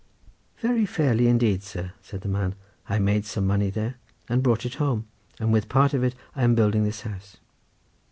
"Very fairly indeed, sir," said the man. "I made some money there, and brought it home, and with part of it I am building this house."